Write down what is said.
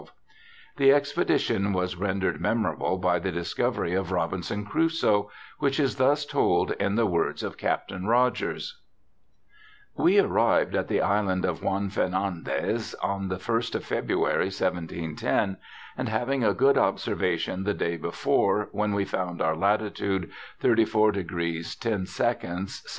The expedition was rendered memorable by the dis covery of ' Robinson Crusoe ', which is thus told in the words of Captain Rogers : 'We arrived at the Island of Juan Fernandez on the first of February, 1710, and having a good observation the day before when we found our latitude 34° 10' S.